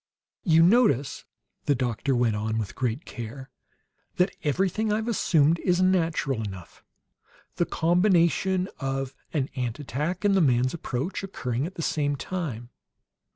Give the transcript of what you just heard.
"You notice," the doctor went on, with great care, "that everything I've assumed is natural enough: the combination of an ant attack and the man's approach, occurring at the same time.